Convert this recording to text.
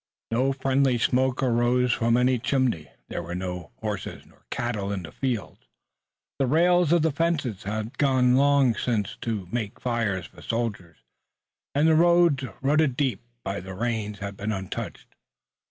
No friendly smoke rose from any chimney, there were no horses nor cattle in the fields, the rails of the fences had gone long since to make fires for the soldiers and the roads rutted deep by the rains had been untouched.